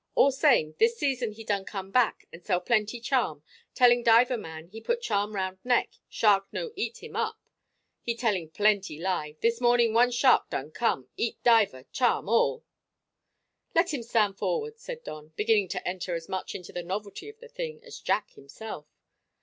All same, this season he done come back and sell plenty charm, telling diver man he put charm round neck, shark no eat him up. He telling plenty lie this morning one shark done come, eat diver, charm, all!" "Let him stand forward," said Don, beginning to enter as much into the novelty of the thing as Jack himself.